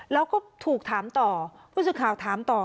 แล้วก็ถูกถามต่อผู้สื่อข่าวถามต่อ